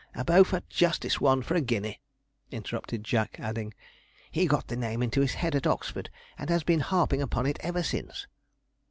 'A Beaufort Justice one, for a guinea!' interrupted Jack, adding, 'He got the name into his head at Oxford, and has been harping upon it ever since.'